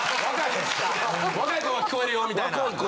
若い子は聞こえるよみたいな。